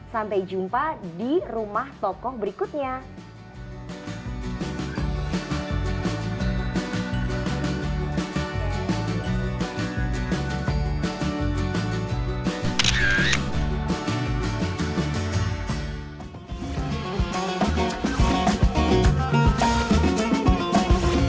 sampai jumpa di rumah tokoh berikutnya